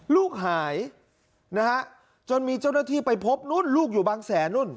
ลูกหายนะฮะจนมีเจ้าหน้าที่ไปพบนู่นลูกอยู่บางแสนนู่น